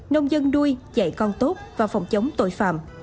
nông dân nuôi dạy con tốt và phòng chống tội phạm